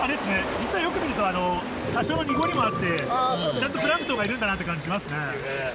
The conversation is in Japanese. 実はよく見ると多少の濁りもあってちゃんとプランクトンがいるんだなって感じしますね。